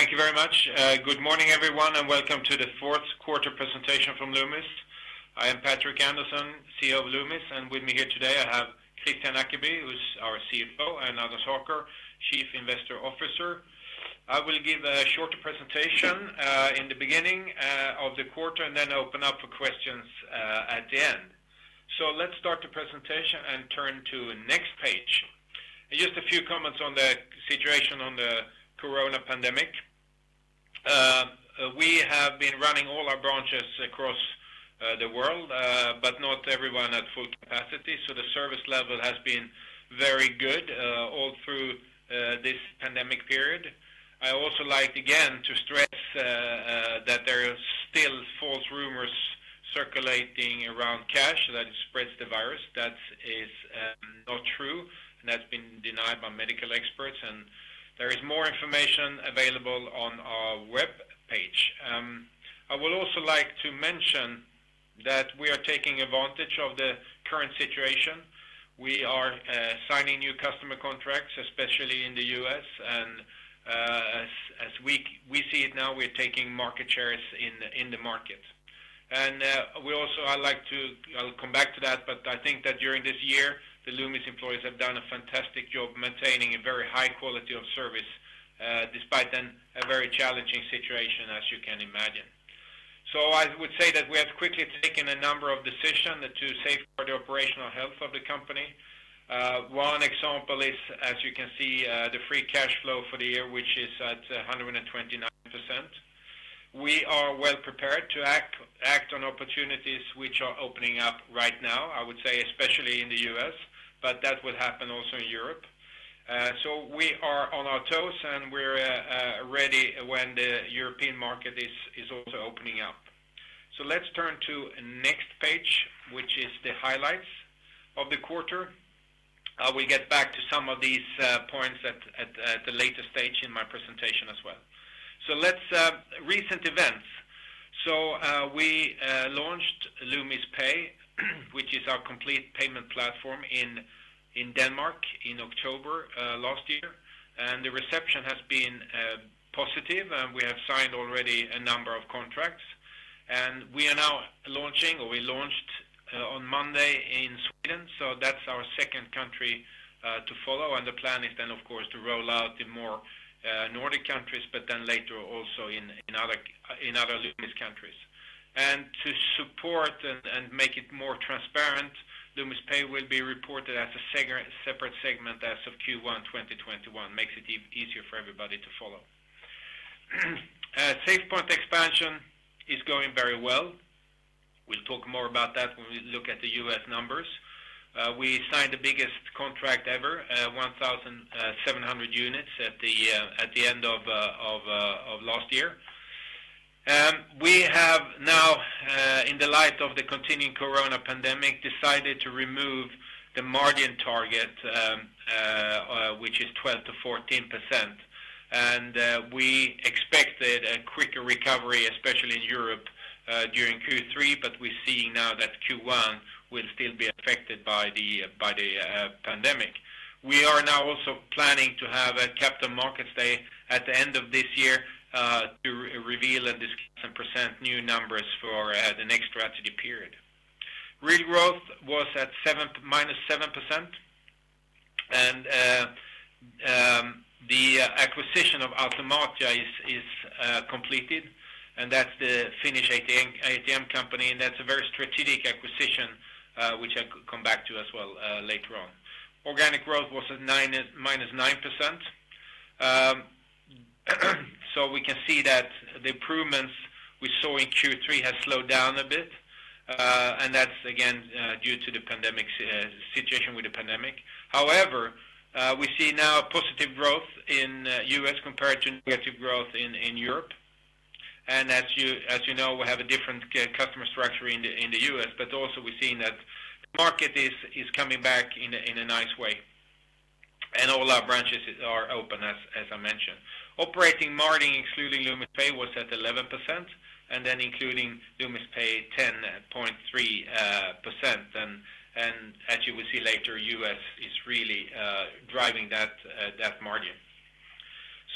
Thank you very much. Good morning, everyone, and welcome to the fourth quarter presentation from Loomis. I am Patrik Andersson, CEO of Loomis, and with me here today I have Kristian Ackeby, who's our CFO, and Anders Haker, Chief Investor Relations Officer. I will give a short presentation in the beginning of the quarter and then open up for questions at the end. Let's start the presentation and turn to next page. Just a few comments on the situation on the coronavirus pandemic. We have been running all our branches across the world, but not everyone at full capacity, so the service level has been very good all through this pandemic period. I also like, again, to stress that there are still false rumors circulating around cash, that it spreads the virus. That is not true, and that's been denied by medical experts, and there is more information available on our webpage. I would also like to mention that we are taking advantage of the current situation. We are signing new customer contracts, especially in the U.S., and as we see it now, we're taking market shares in the market. Also, I'll come back to that, but I think that during this year, the Loomis employees have done a fantastic job maintaining a very high quality of service, despite then a very challenging situation, as you can imagine. I would say that we have quickly taken a number of decisions to safeguard the operational health of the company. One example is, as you can see, the free cash flow for the year, which is at 129%. We are well prepared to act on opportunities which are opening up right now, I would say especially in the U.S., that will happen also in Europe. We are on our toes, and we're ready when the European market is also opening up. Let's turn to next page, which is the highlights of the quarter. I will get back to some of these points at a later stage in my presentation as well. We launched Loomis Pay, which is our complete payment platform in Denmark in October last year. The reception has been positive, we have signed already a number of contracts, we are now launching, or we launched on Monday in Sweden. That's our second country to follow. The plan is then, of course, to roll out in more Nordic countries, but then later also in other Loomis countries. To support and make it more transparent, Loomis Pay will be reported as a separate segment as of Q1 2021, makes it easier for everybody to follow. SafePoint expansion is going very well. We'll talk more about that when we look at the U.S. numbers. We signed the biggest contract ever, 1,700 units at the end of last year. We have now in the light of the continuing coronavirus pandemic, decided to remove the margin target, which is 12%-14%, and we expected a quicker recovery, especially in Europe, during Q3. We're seeing now that Q1 will still be affected by the pandemic. We are now also planning to have a capital markets day at the end of this year to reveal and present new numbers for the next strategy period. Real growth was at -7%, and the acquisition of Automatia is completed, and that's the Finnish ATM company, and that's a very strategic acquisition, which I could come back to as well later on. Organic growth was at -9%. We can see that the improvements we saw in Q3 has slowed down a bit. That's again, due to the situation with the pandemic. However, we see now a positive growth in U.S. compared to negative growth in Europe. As you know, we have a different customer structure in the U.S. Also we're seeing that the market is coming back in a nice way, and all our branches are open, as I mentioned. Operating margin including Loomis Pay was at 11%, and then including Loomis Pay, 10.3%, and as you will see later, U.S. is really driving that margin.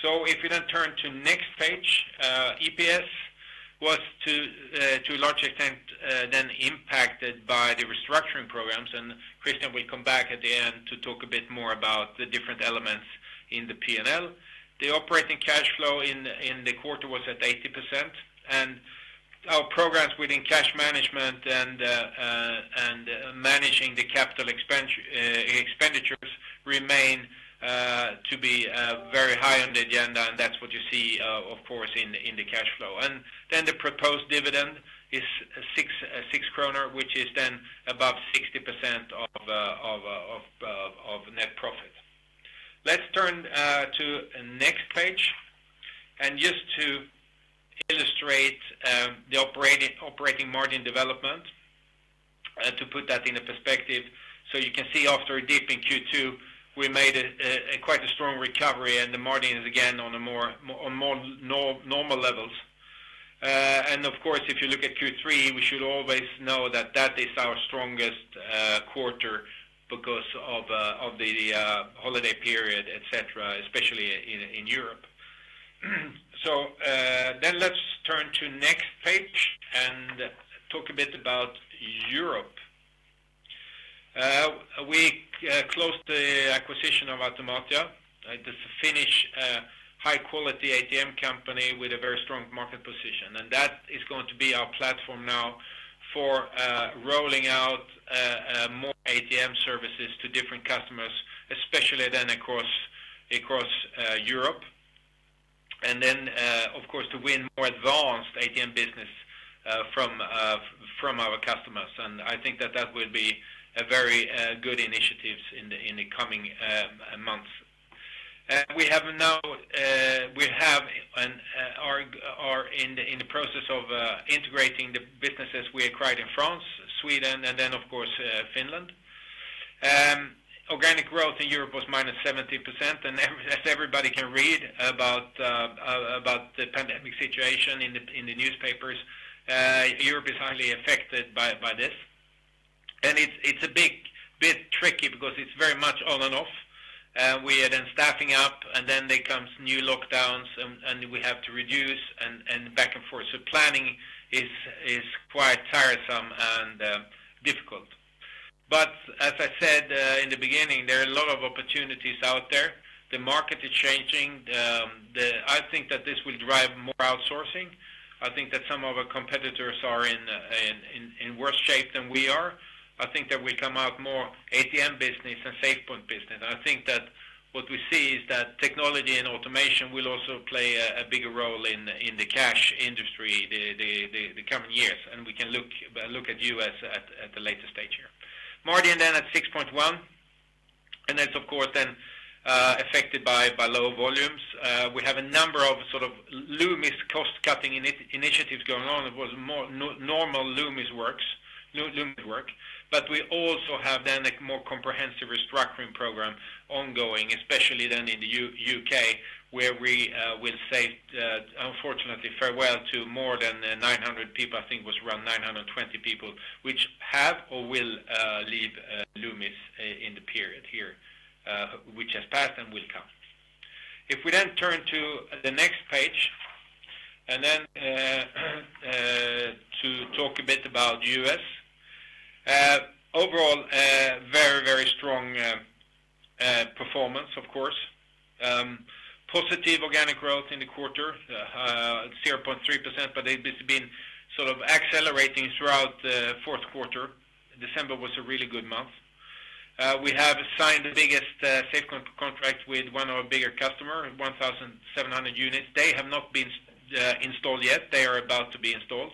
If you then turn to next page, EPS was to a large extent then impacted by the restructuring programs. Kristian will come back at the end to talk a bit more about the different elements in the P&L. The operating cash flow in the quarter was at 80%, and our programs within cash management and managing the capital expenditures remain to be very high on the agenda, and that's what you see of course, in the cash flow. The proposed dividend is 6 kronor which is then above 60% of net profit. Let's turn to next page and just to illustrate the operating margin development to put that into perspective. You can see after a dip in Q2, we made quite a strong recovery and the margin is again on a more normal levels. And of course, if you look at Q3, we should always know that that is our strongest quarter because of the holiday period, et cetera, especially in Europe. Let's turn to next page and talk a bit about Europe. We closed the acquisition of Automatia, the Finnish high-quality ATM company with a very strong market position, and that is going to be our platform now for rolling out more ATM services to different customers, especially then across Europe. Of course, to win more advanced ATM business from our customers. I think that that will be a very good initiatives in the coming months. We are in the process of integrating the businesses we acquired in France, Sweden, then, of course, Finland. Organic growth in Europe was -70%. As everybody can read about the pandemic situation in the newspapers, Europe is highly affected by this. It's a bit tricky because it's very much on and off. We are then staffing up, then there comes new lockdowns, and we have to reduce and back and forth. Planning is quite tiresome and difficult. As I said in the beginning, there are a lot of opportunities out there. The market is changing. I think that this will drive more outsourcing. I think that some of our competitors are in worse shape than we are. I think there will come out more ATM business and SafePoint business. I think that what we see is that technology and automation will also play a bigger role in the cash industry the coming years. We can look at the U.S. at the later stage here. Margin then at 6.1%. That's of course then affected by lower volumes. We have a number of Loomis cost-cutting initiatives going on. It was more normal Loomis work. We also have then a more comprehensive restructuring program ongoing, especially then in the U.K., where we will say, unfortunately, farewell to more than 900 people, I think it was around 920 people, which have or will leave Loomis in the period here, which has passed and will come. If we then turn to the next page, to talk a bit about the U.S. Overall, very strong performance, of course. Positive organic growth in the quarter, 0.3%, but it's been sort of accelerating throughout fourth quarter. December was a really good month. We have signed the biggest SafePoint contract with one of our bigger customer, 1,700 units. They have not been installed yet. They are about to be installed.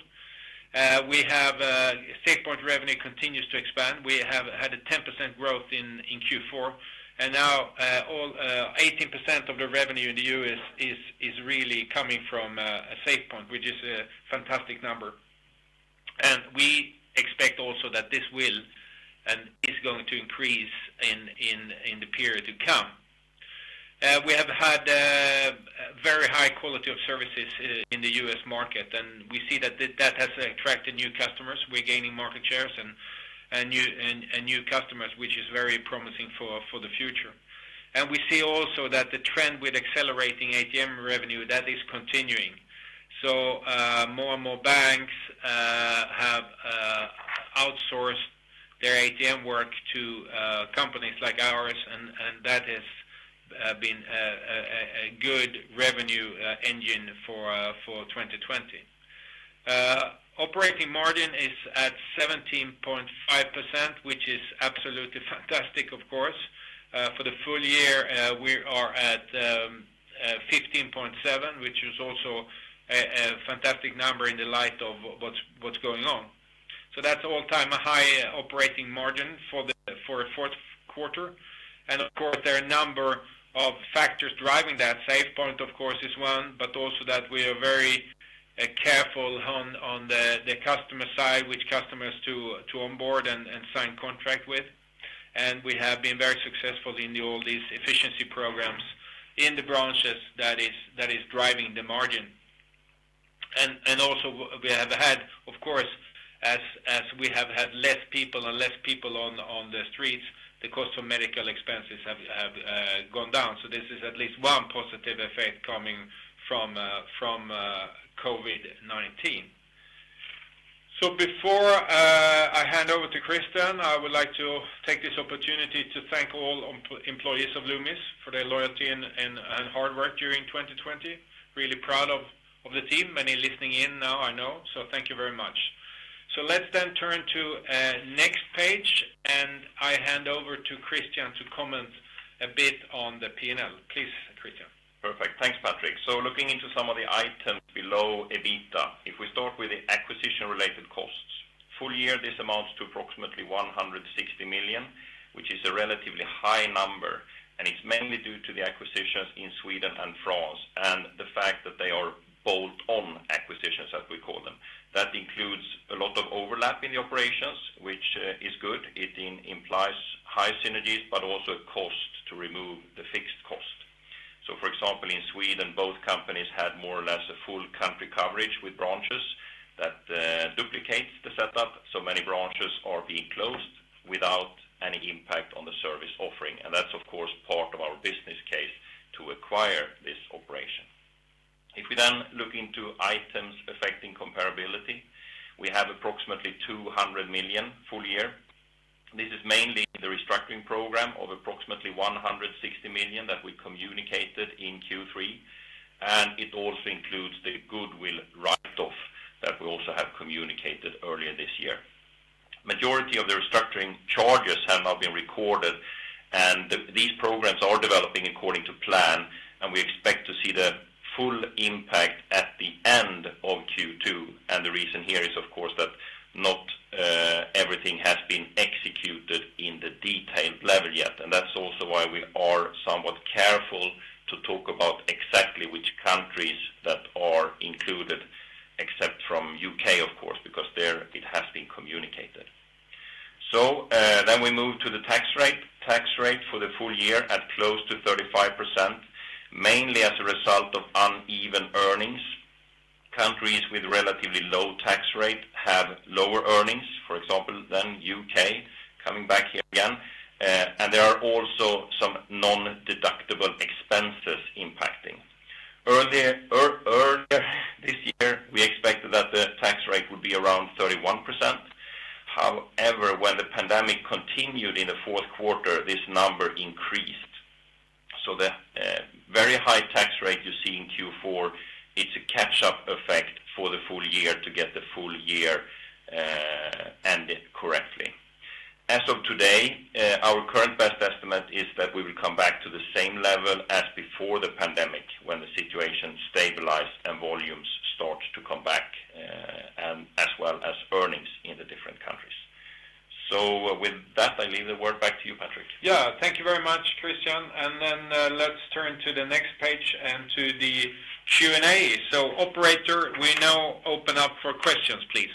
SafePoint revenue continues to expand. We have had a 10% growth in Q4, and now all 18% of the revenue in the U.S. is really coming from SafePoint, which is a fantastic number. We expect also that this will and is going to increase in the period to come. We have had very high quality of services in the U.S. market, and we see that that has attracted new customers. We're gaining market shares and new customers, which is very promising for the future. We see also that the trend with accelerating ATM revenue, that is continuing. More and more banks have outsourced their ATM work to companies like ours, and that has been a good revenue engine for 2020. Operating margin is at 17.5%, which is absolutely fantastic, of course. For the full year, we are at 15.7%, which is also a fantastic number in the light of what's going on. That's all-time high operating margin for a fourth quarter. Of course, there are a number of factors driving that. SafePoint, of course, is one, but also that we are very careful on the customer side, which customers to onboard and sign contract with. We have been very successful in all these efficiency programs in the branches that is driving the margin. Also we have had, of course, as we have had less people and less people on the streets, the cost of medical expenses have gone down. This is at least one positive effect coming from COVID-19. Before I hand over to Kristian, I would like to take this opportunity to thank all employees of Loomis for their loyalty and hard work during 2020. Really proud of the team. Many listening in now, I know. Thank you very much. Let's then turn to next page, and I hand over to Kristian to comment a bit on the P&L. Please, Kristian. Perfect. Thanks, Patrik. Looking into some of the items below EBITDA. If we start with the acquisition related costs. Full year, this amounts to approximately 160 million, which is a relatively high number, and it's mainly due to the acquisitions in Sweden and France, and the fact that they are bolt-on acquisitions, as we call them. That includes a lot of overlap in the operations, which is good. It implies high synergies, but also cost to remove. For example, in Sweden, both companies had more or less a full country coverage with branches that duplicates the setup, so many branches are being closed without any impact on the service offering. That's of course part of our business case to acquire this operation. If we then look into items affecting comparability, we have approximately 200 million full year. This is mainly the restructuring program of approximately 160 million that we communicated in Q3. It also includes the goodwill write-off that we also have communicated earlier this year. Majority of the restructuring charges have now been recorded. These programs are developing according to plan, and we expect to see the full impact at the end of Q2. The reason here is, of course, that not everything has been executed in the detailed level yet. That's also why we are somewhat careful to talk about exactly which countries that are included, except from U.K., of course, because there it has been communicated. We move to the tax rate. Tax rate for the full year at close to 35%, mainly as a result of uneven earnings. Countries with relatively low tax rate have lower earnings, for example, than U.K., coming back here again. There are also some non-deductible expenses impacting. Earlier this year, we expected that the tax rate would be around 31%. When the pandemic continued in the fourth quarter, this number increased. The very high tax rate you see in Q4, it's a catch-up effect for the full year to get the full year ended correctly. As of today, our current best estimate is that we will come back to the same level as before the pandemic, when the situation stabilized and volumes start to come back, as well as earnings in the different countries. With that, I leave the word back to you, Patrik. Yeah. Thank you very much, Kristian. Let's turn to the next page and to the Q&A. Operator, we now open up for questions, please.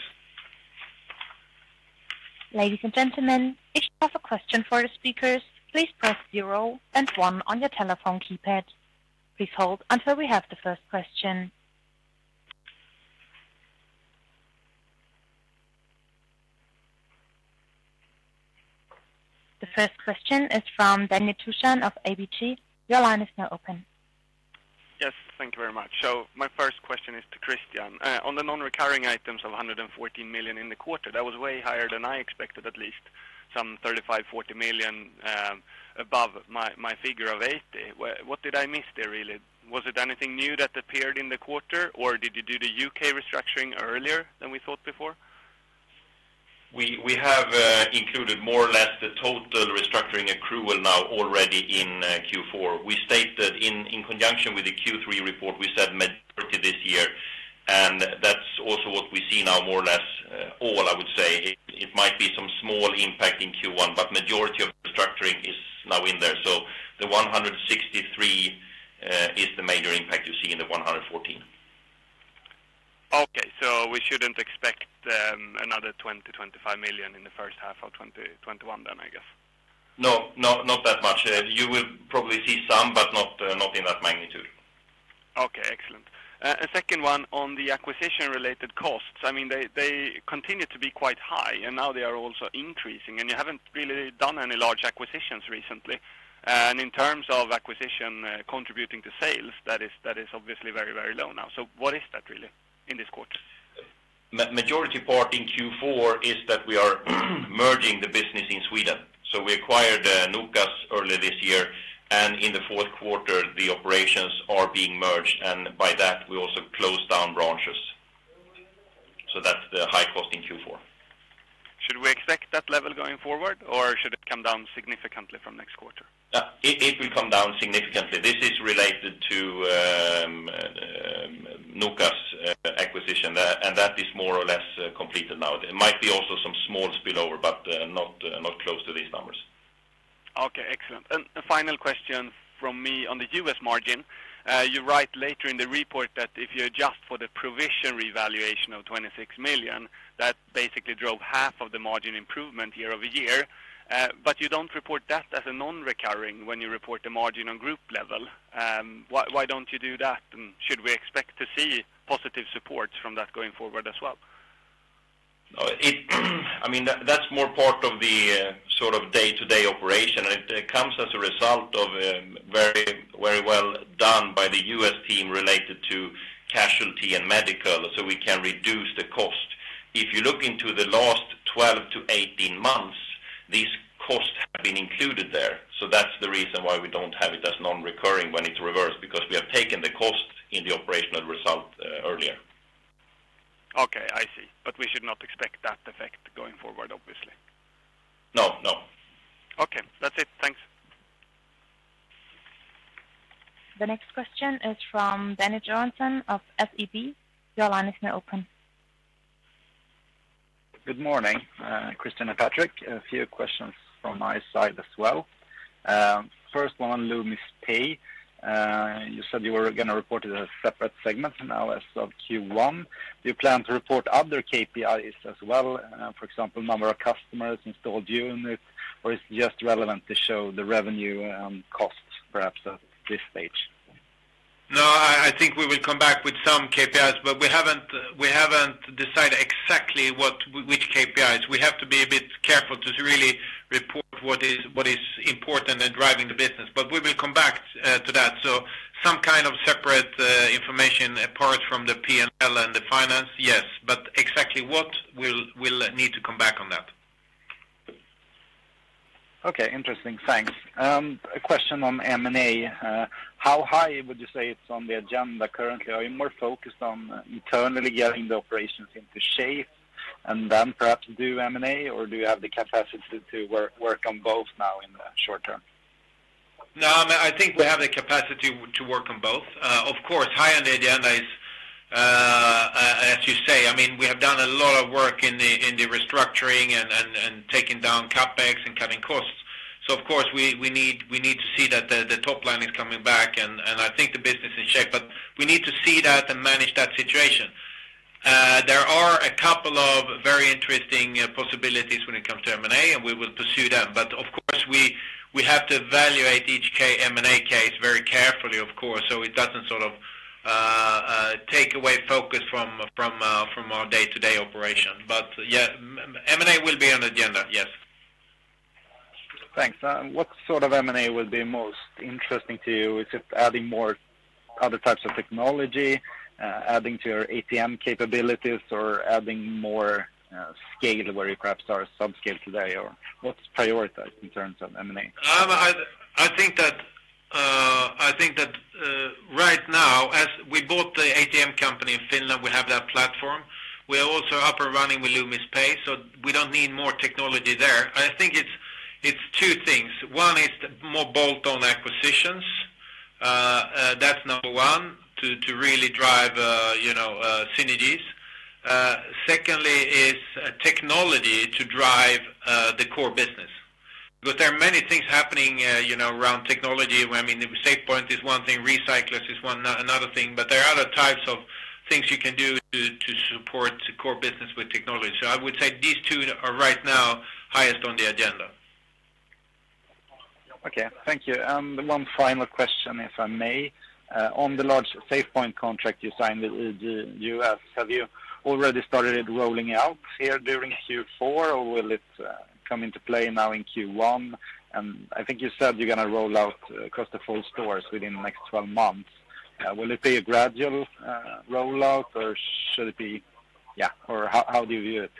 Ladies and gentlemen, if you have a question for the speakers, please press zero and one on your telephone keypad. Please hold until we have the first question. The first question is from Danny Thorsson of ABG. Your line is now open. Yes, thank you very much. My first question is to Kristian. On the non-recurring items of 114 million in the quarter, that was way higher than I expected at least, some 35 million-40 million above my figure of 80 million. What did I miss there, really? Was it anything new that appeared in the quarter, or did you do the U.K. restructuring earlier than we thought before? We have included more or less the total restructuring accrual now already in Q4. We state that in conjunction with the Q3 report, we said majority this year, that's also what we see now more or less all I would say. It might be some small impact in Q1, majority of restructuring is now in there. The 163 is the major impact you see in the 114. Okay. We shouldn't expect another 20 million-25 million in the first half of 2021 then, I guess? No, not that much. You will probably see some, but not in that magnitude. Okay, excellent. A second one on the acquisition-related costs. They continue to be quite high, and now they are also increasing, and you haven't really done any large acquisitions recently. In terms of acquisition contributing to sales, that is obviously very low now. What is that really in this quarter? Majority part in Q4 is that we are merging the business in Sweden. We acquired Nokas earlier this year, and in the fourth quarter, the operations are being merged, and by that, we also closed down branches. That's the high cost in Q4. Should we expect that level going forward, or should it come down significantly from next quarter? It will come down significantly. This is related to Nokas acquisition, and that is more or less completed now. There might be also some small spillover, but not close to these numbers. Okay, excellent. Final question from me on the U.S. margin. You write later in the report that if you adjust for the provision revaluation of 26 million, that basically drove half of the margin improvement year-over-year. You don't report that as a non-recurring when you report the margin on group level. Why don't you do that? Should we expect to see positive support from that going forward as well? That's more part of the day-to-day operation. It comes as a result of very well done by the U.S. team related to casualty and medical, so we can reduce the cost. If you look into the last 12 to 18 months, these costs have been included there. That's the reason why we don't have it as non-recurring when it's reversed, because we have taken the cost in the operational result earlier. Okay, I see. We should not expect that effect going forward, obviously. No, no. Okay. That's it. Thanks. The next question is from Danny Johansson of SEB. Your line is now open. Good morning, Kristian and Patrik. A few questions from my side as well. First one, Loomis Pay. You said you were going to report it as a separate segment now as of Q1. Do you plan to report other KPIs as well, for example, number of customers, installed units, or is it just relevant to show the revenue and costs perhaps at this stage? I think we will come back with some KPIs, we haven't decided exactly which KPIs. We have to be a bit careful to really report what is important and driving the business. We will come back to that. Some kind of separate information apart from the P&L and the finance, yes. Exactly what, we'll need to come back on that. Okay, interesting. Thanks. A question on M&A. How high would you say it's on the agenda currently? Are you more focused on internally getting the operations into shape and then perhaps do M&A, or do you have the capacity to work on both now in the short term? No, I think we have the capacity to work on both. Of course, high on the agenda is, as you say, we have done a lot of work in the restructuring and taking down CapEx and cutting costs. Of course, we need to see that the top line is coming back, and I think the business is in shape, but we need to see that and manage that situation. There are a couple of very interesting possibilities when it comes to M&A, and we will pursue them. Of course, we have to evaluate each M&A case very carefully, of course, so it doesn't take away focus from our day-to-day operation. Yeah, M&A will be on the agenda, yes. Thanks. What sort of M&A will be most interesting to you? Is it adding more other types of technology, adding to your ATM capabilities, or adding more scale where you perhaps are sub-scale today, or what's prioritized in terms of M&A? I think that right now, as we bought the ATM company in Finland, we have that platform. We are also up and running with Loomis Pay, so we don't need more technology there. I think it's two things. One is more bolt-on acquisitions. That's number one, to really drive synergies. Secondly is technology to drive the core business. There are many things happening around technology. I mean, SafePoint is one thing, recyclers is another thing, there are other types of things you can do to support the core business with technology. I would say these two are right now highest on the agenda. Okay. Thank you. One final question, if I may. On the large SafePoint contract you signed in the U.S., have you already started rolling out here during Q4, or will it come into play now in Q1? I think you said you're going to roll out across the full stores within the next 12 months. Will it be a gradual rollout or how do you view it?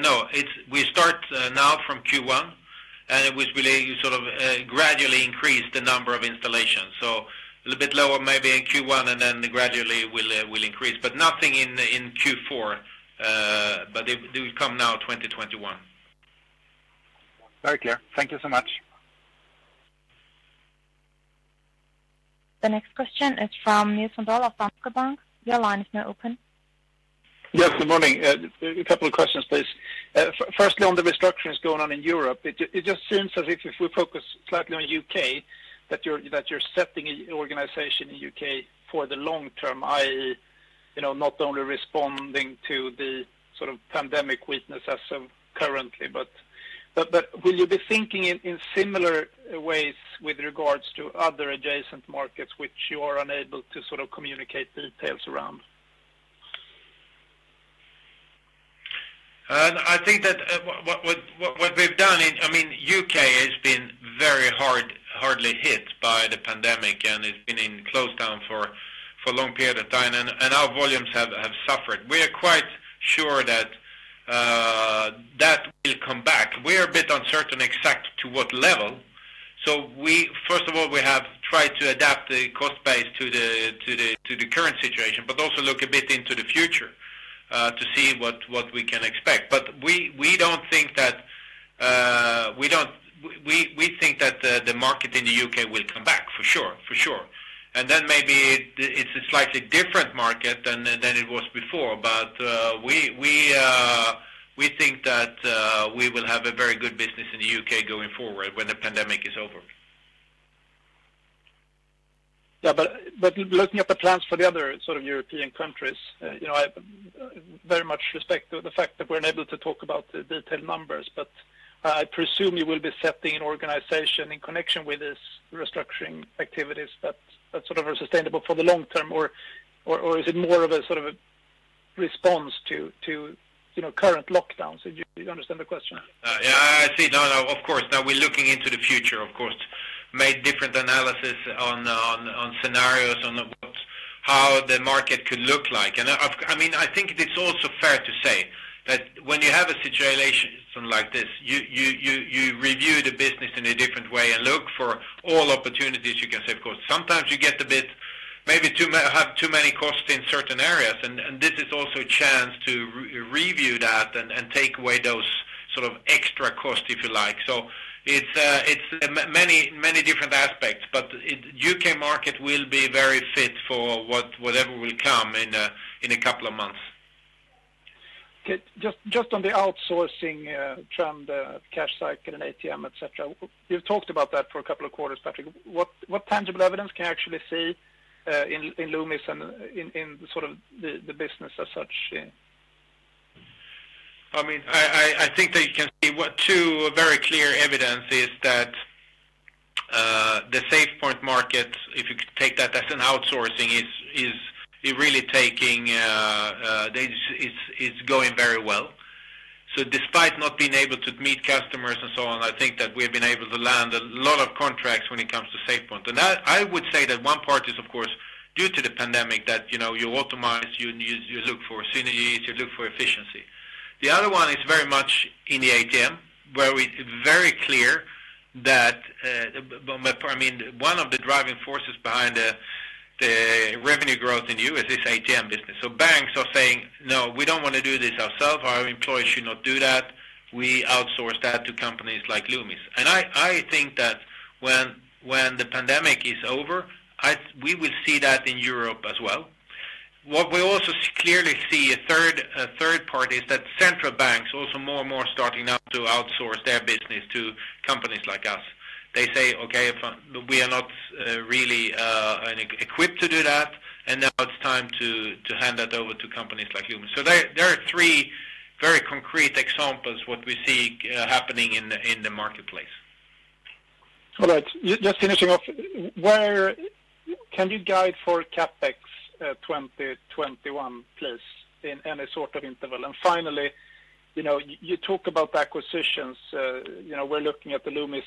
No, we start now from Q1, and we will gradually increase the number of installations. A little bit lower maybe in Q1, and then gradually we'll increase, but nothing in Q4. They will come now 2021. Very clear. Thank you so much. The next question is from Nils van Dolle of Bank of America. Your line is now open. Yes, good morning. A couple of questions, please. Firstly, on the restructures going on in Europe, it just seems as if we focus slightly on U.K., that you're setting an organization in the U.K. for the long term, i.e., not only responding to the pandemic weakness as of currently. Will you be thinking in similar ways with regards to other adjacent markets which you are unable to communicate details around? I think that what we've done in-- U.K. has been very hardly hit by the pandemic, and it's been in lockdown for a long period of time, and our volumes have suffered. We are quite sure that will come back. We are a bit uncertain exactly to what level. First of all, we have tried to adapt the cost base to the current situation, but also look a bit into the future to see what we can expect. We think that the market in the U.K. will come back for sure. Maybe it's a slightly different market than it was before. We think that we will have a very good business in the U.K. going forward when the pandemic is over. Looking at the plans for the other European countries, I very much respect the fact that we're unable to talk about the detailed numbers, but I presume you will be setting an organization in connection with these restructuring activities that are sustainable for the long term, or is it more of a response to current lockdowns? Do you understand the question? I see. Of course. Now we're looking into the future, of course. Made different analysis on scenarios on how the market could look like. I think it is also fair to say that when you have a situation like this, you review the business in a different way and look for all opportunities you can save cost. Sometimes you maybe have too many costs in certain areas, and this is also a chance to review that and take away those extra costs, if you like. It's many different aspects, but the U.K. market will be very fit for whatever will come in a couple of months. Just on the outsourcing trend, cash cycle and ATM, et cetera, you've talked about that for a couple of quarters, Patrik. What tangible evidence can I actually see in Loomis and in the business as such? I think that you can see two very clear evidence is that the SafePoint market, if you could take that as an outsourcing, it's going very well. Despite not being able to meet customers and so on, I think that we have been able to land a lot of contracts when it comes to SafePoint. That I would say that one part is, of course, due to the pandemic that you optimize, you look for synergies, you look for efficiency. The other one is very much in the ATM, where it's very clear that one of the driving forces behind the revenue growth in U.S. is ATM business. Banks are saying, "No, we don't want to do this ourselves. Our employees should not do that. We outsource that to companies like Loomis. I think that when the pandemic is over, we will see that in Europe as well. What we also clearly see, a third part, is that central banks also more and more starting now to outsource their business to companies like us. They say, "Okay, we are not really equipped to do that," and now it's time to hand that over to companies like Loomis. There are three very concrete examples, what we see happening in the marketplace. All right. Just finishing off, can you guide for CapEx 2021, please, in any sort of interval? Finally, you talk about acquisitions, we're looking at the Loomis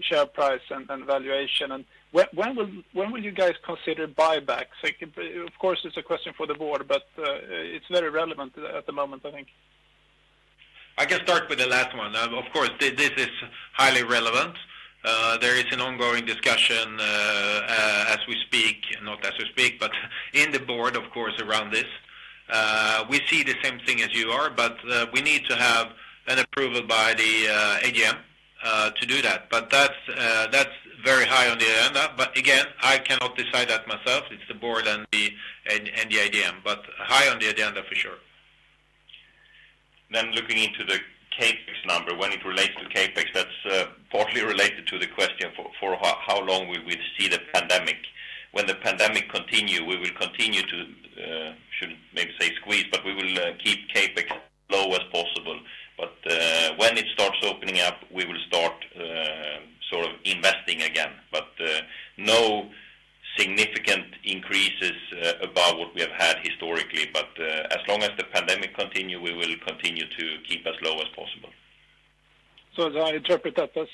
share price and valuation. When will you guys consider buybacks? Of course, it's a question for the board, but it's very relevant at the moment, I think. I can start with the last one. Of course, this is highly relevant. There is an ongoing discussion as we speak, not as we speak, but in the board, of course, around this. We see the same thing as you are, but we need to have an approval by the AGM to do that. That's very high on the agenda. Again, I cannot decide that myself. It's the board and the AGM, but high on the agenda for sure. Looking into the CapEx number, when it relates to CapEx, that's partly related to the question for how long we will see the pandemic. When the pandemic continue, we will continue to, should maybe say squeeze, but we will keep CapEx low as possible. When it starts opening up, we will start investing again. No significant increases above what we have had historically. As long as the pandemic continue, we will continue to keep as low as possible. As I interpret that as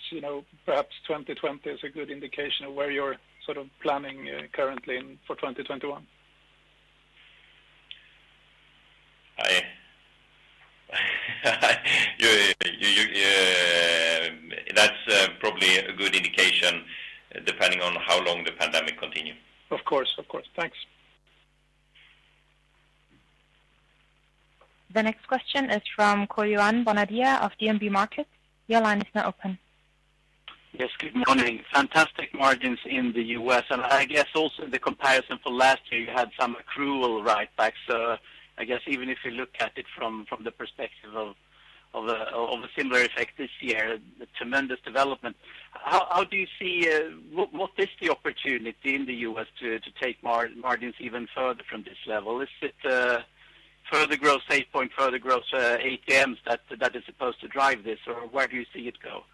perhaps 2020 is a good indication of where you're planning currently for 2021? That's probably a good indication depending on how long the pandemic continue. Of course. Thanks. The next question is from Karl-Johan Bonnevier of DNB Markets. Your line is now open. Yes. Good morning. Fantastic margins in the U.S., and I guess also the comparison for last year, you had some accrual right back. I guess even if you look at it from the perspective of a similar effect this year, a tremendous development. What is the opportunity in the U.S. to take margins even further from this level? Is it further growth SafePoint, further growth ATMs that is supposed to drive this? Or where do you see it go?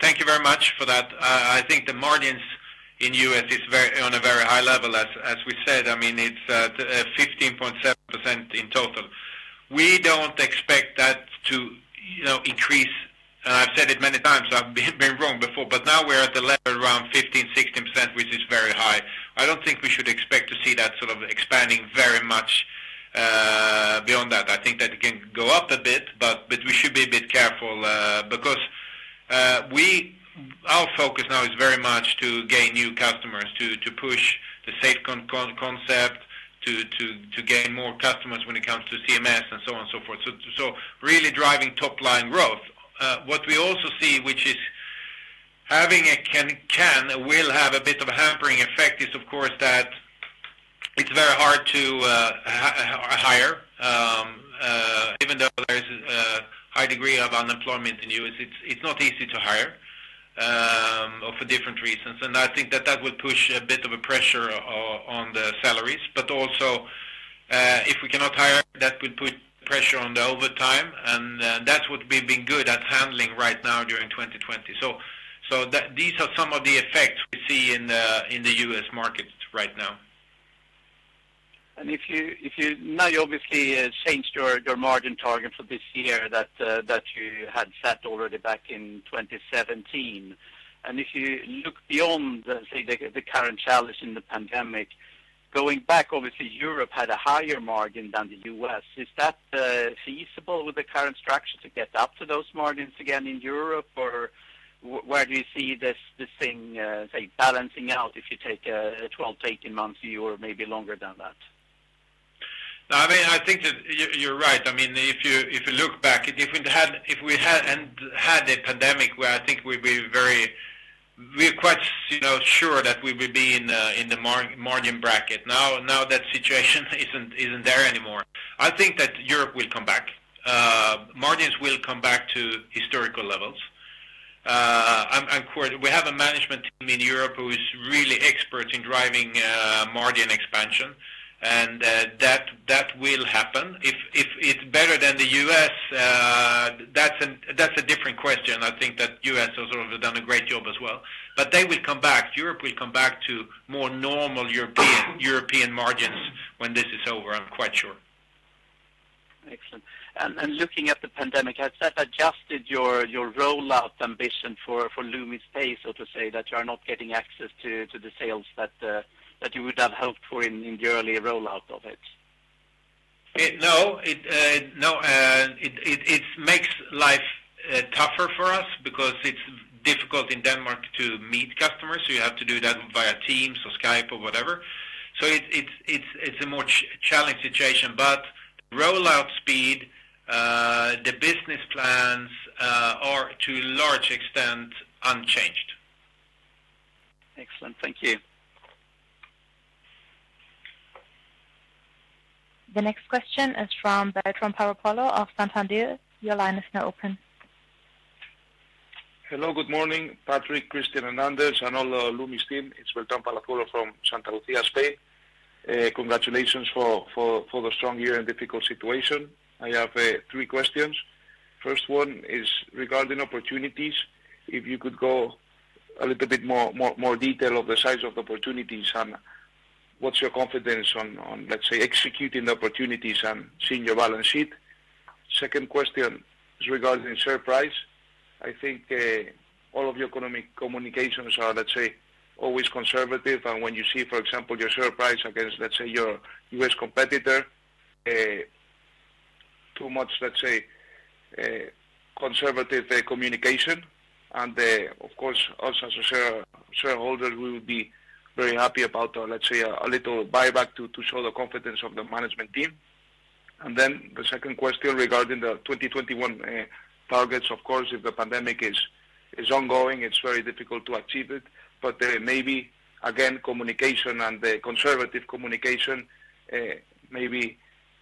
Thank you very much for that. I think the margins in U.S. is on a very high level. As we said, it's 15.7% in total. We don't expect that to increase. I've said it many times, I've been wrong before, now we're at the level around 15%-16%, which is very high. I don't think we should expect to see that expanding very much beyond that. I think that it can go up a bit, we should be a bit careful because our focus now is very much to gain new customers, to push the SafeCon concept, to gain more customers when it comes to CMS and so on and so forth. Really driving top line growth. What we also see, which will have a bit of a hampering effect is, of course, that it's very hard to hire even though there is a high degree of unemployment in U.S., it's not easy to hire for different reasons. I think that that would push a bit of a pressure on the salaries. Also if we cannot hire, that would put pressure on the overtime, and that's what we've been good at handling right now during 2020. These are some of the effects we see in the U.S. market right now. Now you obviously changed your margin target for this year that you had set already back in 2017. If you look beyond, say, the current challenge in the pandemic, going back, obviously Europe had a higher margin than the U.S. Is that feasible with the current structure to get up to those margins again in Europe? Where do you see this thing balancing out if you take a 12, 18 months view or maybe longer than that? I think that you're right. If you look back, if we hadn't had a pandemic, where I think we're quite sure that we will be in the margin bracket. That situation isn't there anymore. I think that Europe will come back. Margins will come back to historical levels. We have a management team in Europe who is really expert in driving margin expansion, that will happen. If it's better than the U.S., that's a different question. I think that U.S. has also done a great job as well. They will come back. Europe will come back to more normal European margins when this is over, I'm quite sure. Excellent. Looking at the pandemic, has that adjusted your rollout ambition for Loomis Pay, so to say, that you're not getting access to the sales that you would have hoped for in the early rollout of it? No. It makes life tougher for us because it's difficult in Denmark to meet customers, so you have to do that via Teams or Skype or whatever. It's a more challenged situation, but rollout speed, the business plans are to a large extent unchanged. Excellent. Thank you. The next question is from Beltrán Palazuelo of Santalucia. Your line is now open. Hello. Good morning, Patrik, Kristian, Anders, and all the Loomis team. It's Beltrán Palazuelo from Santalucía, Spain. Congratulations for the strong year and difficult situation. I have three questions. First one is regarding opportunities. If you could go a little bit more detail of the size of the opportunities and what's your confidence on, let's say, executing the opportunities and seeing your balance sheet. Second question is regarding share price. I think all of your economic communications are, let's say, always conservative, and when you see, for example, your share price against, let's say, your U.S. competitor, too much conservative communication. Of course, also as a shareholder, we will be very happy about, let's say, a little buyback to show the confidence of the management team. The second question regarding the 2021 targets, of course, if the pandemic is ongoing, it's very difficult to achieve it. There may be, again, communication and the conservative communication, maybe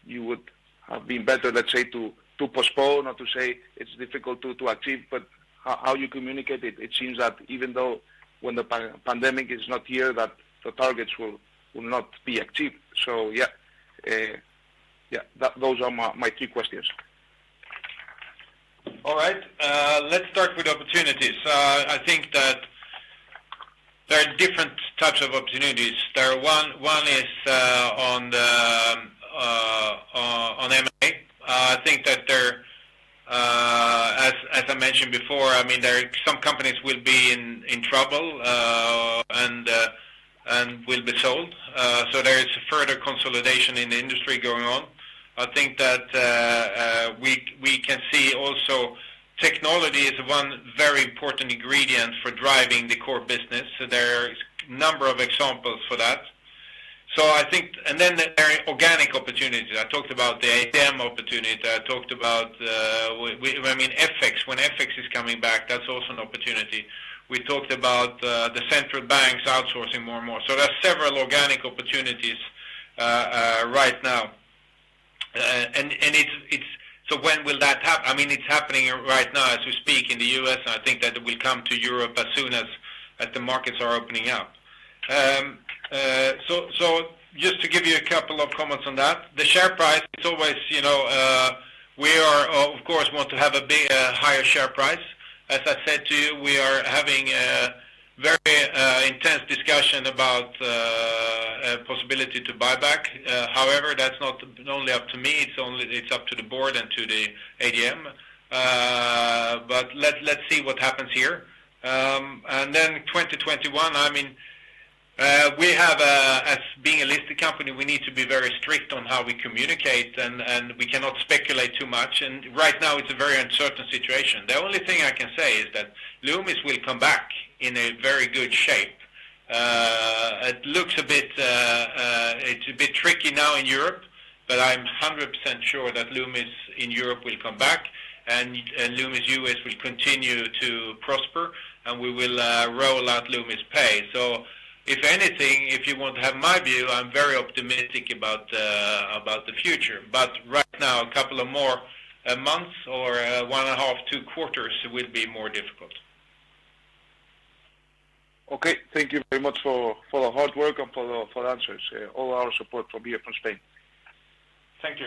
you would have been better, let's say, to postpone or to say it's difficult to achieve, but how you communicate it seems that even though when the pandemic is not here, that the targets will not be achieved. Yeah. Those are my three questions. All right. Let's start with opportunities. I think that there are different types of opportunities. One is on M&A. I think that there, as I mentioned before, some companies will be in trouble and will be sold. There is further consolidation in the industry going on. I think that we can see also technology is one very important ingredient for driving the core business, so there are a number of examples for that. There are organic opportunities. I talked about the ATM opportunity. I talked about FX. When FX is coming back, that's also an opportunity. We talked about the central banks outsourcing more and more. There are several organic opportunities right now. When will that happen? It's happening right now as we speak in the U.S., and I think that it will come to Europe as soon as the markets are opening up. Just to give you a couple of comments on that, the share price, we are, of course, want to have a higher share price. As I said to you, we are having a very intense discussion about possibility to buyback. However, that's not only up to me, it's up to the board and to the AGM. Let's see what happens here. 2021, being a listed company, we need to be very strict on how we communicate and we cannot speculate too much, and right now it's a very uncertain situation. The only thing I can say is that Loomis will come back in a very good shape. It's a bit tricky now in Europe, but I'm 100% sure that Loomis in Europe will come back and Loomis U.S. will continue to prosper, and we will roll out Loomis Pay. If anything, if you want to have my view, I'm very optimistic about the future. Right now, a couple of more months or one and a half, two quarters will be more difficult. Okay. Thank you very much for the hard work and for the answers. All our support from here from Spain. Thank you.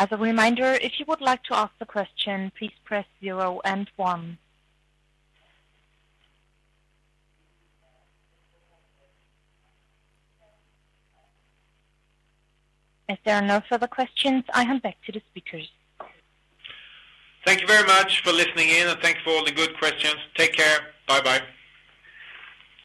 As a reminder, if you would like to ask a question, please press zero and one. If there are no further questions, I hand back to the speakers. Thank you very much for listening in and thank you for all the good questions. Take care. Bye-bye.